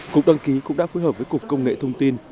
cục đăng ký cũng đã phối hợp với cục công nghệ thông tin